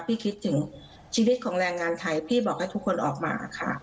คิดถึงชีวิตของแรงงานไทยพี่บอกให้ทุกคนออกมาค่ะ